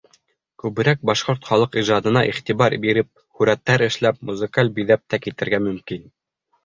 Күберәк башҡорт халыҡ ижадына иғтибар биреп, һүрәттәр эшләп, музыкаль биҙәп тә китергә мөмкин.